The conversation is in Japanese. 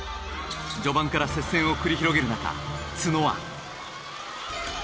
序盤から接戦を繰り広げる中都野は。